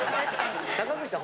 坂口さん